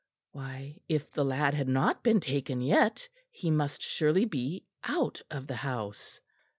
Why, if the lad had not been taken yet, he must surely be out of the house.